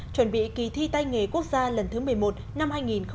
chuẩn bị kỳ thi tay nghề quốc gia lần thứ một mươi một năm hai nghìn hai mươi